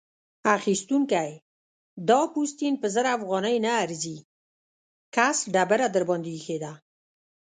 اخيستونکی: دا پوستین په زر افغانۍ نه ارزي؛ کس ډبره درباندې اېښې ده.